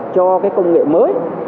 cho cái công nghệ mới